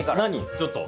ちょっと。